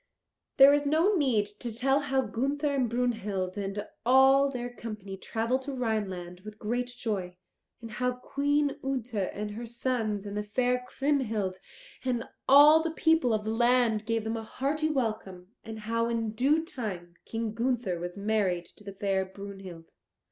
There is no need to tell how Gunther and Brunhild and all their company travelled to Rhineland with great joy, and how Queen Ute and her sons and the fair Kriemhild, and all the people of the land, gave them a hearty welcome and how in due time King Gunther was married to the fair Brunhild.